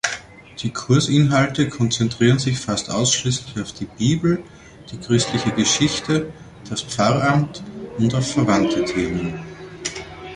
Die Kursinhalte konzentrieren sich fast ausschließlich auf die Bibel, die christliche Geschichte, das Pfarramt und auf verwandte Themen.